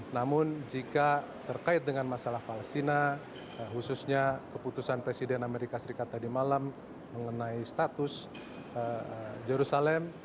namun jika terkait dengan masalah palestina khususnya keputusan presiden amerika serikat tadi malam mengenai status jerusalem